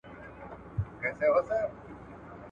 مادي کلتور په تخنيکي او اقتصادي عواملو پوري اړه لري.